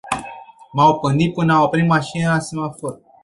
M-au pândit până au oprit mașinile la semafor.